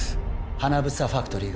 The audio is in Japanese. ハナブサファクトリーが